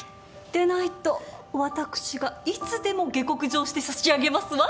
でないと私がいつでも下克上して差し上げますわ。